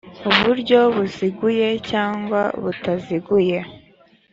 buryo buziguye cyangwa butaziguye